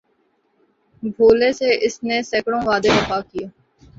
بھولے سے اس نے سیکڑوں وعدے وفا کیے